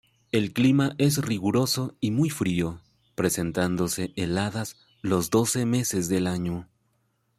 El clima es riguroso y muy frío, presentándose heladas los doce meses del año.